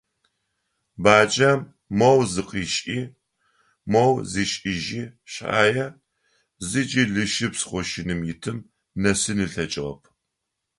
Баджэм моу зыкъишӀи, моу зишӀыжьи шъхьае, зыкӀи лыщыпс къошыным итым нэсын ылъэкӀыгъэп.